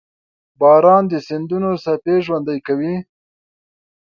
• باران د سیندونو څپې ژوندۍ کوي.